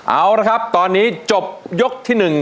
เอาล่ะครับตอนนี้จบยกที่หนึ่ง